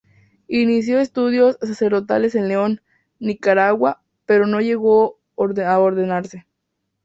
Inicio estudios sacerdotales en León, Nicaragua, pero no llegó a ordenarse.